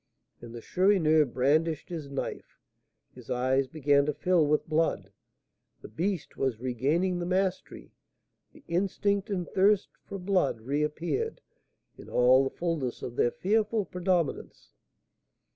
And the Chourineur brandished his knife, his eyes began to fill with blood; the beast was regaining the mastery; the instinct and thirst for blood reappeared in all the fullness of their fearful predominance.